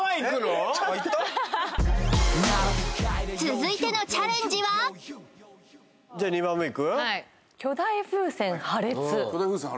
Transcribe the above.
続いてのチャレンジはじゃあ２番目いく？